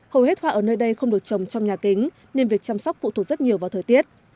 hầu hết hoa ở nơi đây không được trồng trong nhà kính nên việc chăm sóc phụ thuộc rất nhiều vào thời tiết